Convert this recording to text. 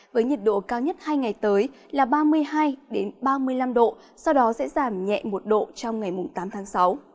với nhiệt độ cao nhất hai ngày tới là ba mươi hai ba mươi năm độ sau đó sẽ giảm nhẹ một độ trong ngày tám tháng sáu